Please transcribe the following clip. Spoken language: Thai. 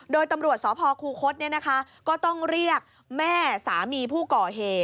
โดยตำรวจสพคูคศก็ต้องเรียกแม่สามีผู้ก่อเหตุ